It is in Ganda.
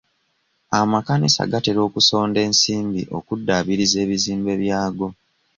Amakanisa gatera okusonda ensimbi okuddabiriza ebizimbe byago.